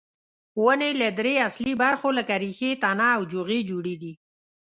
ونې له درې اصلي برخو لکه ریښې، تنه او جوغې جوړې دي.